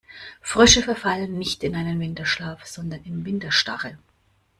Frösche verfallen nicht in einen Winterschlaf, sondern in Winterstarre.